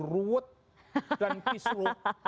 ruwet dan pisru